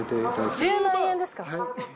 １０万円ですか？